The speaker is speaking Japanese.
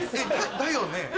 だよね？